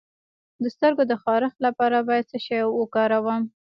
د سترګو د خارښ لپاره باید څه شی وکاروم؟